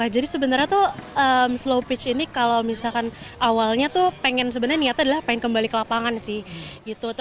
jadi sebenarnya tuh slow pitch ini kalau misalkan awalnya tuh pengen sebenarnya niatnya adalah pengen kembali ke lapangan sih